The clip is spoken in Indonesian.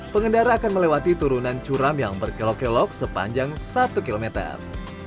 pengendara akan melewati turunan curam yang berkelok kelok sepanjang satu kilometer